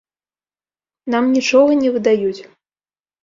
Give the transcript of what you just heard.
Нам нічога не выдаюць.